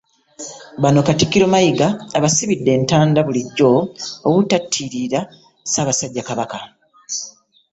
Bano Katikkiro Mayiga abasibidde entanda bulijjo obutatiirira Ssaabasajja Kabaka